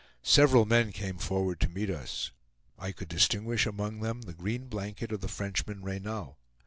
Several men came forward to meet us. I could distinguish among them the green blanket of the Frenchman Reynal.